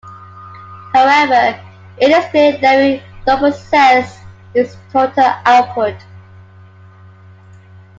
However, it is clear that we don't possess his total output.